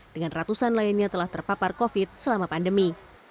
dengan ratusan lainnya telah terpapar covid selama pandemi